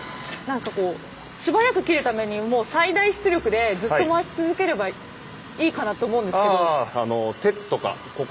素早く切るためにもう最大出力でずっと回し続ければいいかなと思うんですけど。